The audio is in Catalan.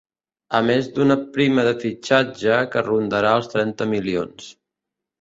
A més d’una prima de fitxatge que rondarà els trenta milions.